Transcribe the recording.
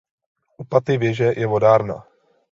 U paty věže je vodárna.